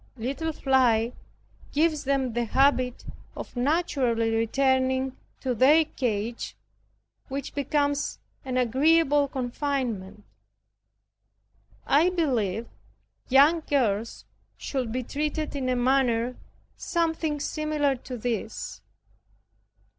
Little flight gives them the habit of naturally returning to their cage which becomes an agreeable confinement. I believe young girls should be treated in a manner something similar to this.